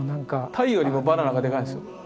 タイよりもバナナがでかいんですよ。